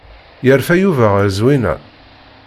Yerfa Yuba ɣef Zwina?